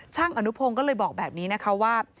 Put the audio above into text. อนุพงศ์ก็เลยบอกแบบนี้นะคะว่า